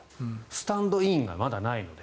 スタンドインがまだないので。